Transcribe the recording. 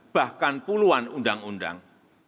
bahkan puluhan undang undang